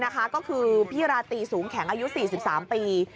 ก็คือพี่ราตรีสูงแข็งอายุ๔๓ปี